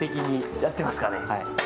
やってますかね。